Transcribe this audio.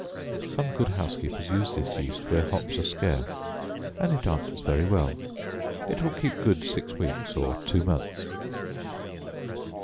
Some good housekeepers use this yeast where hops are scarce, and it answers very well. It will keep good six weeks or two months.